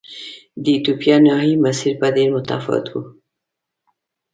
د ایتوپیا نهايي مسیر به ډېر متفاوت و.